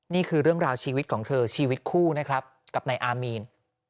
นี่คือเรื่องราวชีวิตของเธอชีวิตคู่นะครับกับนายอามีน